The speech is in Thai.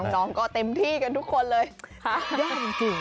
น้องก็เต็มที่กันทุกคนเลยหายากจริง